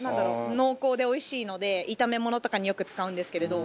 濃厚でおいしいので炒め物とかによく使うんですけれど。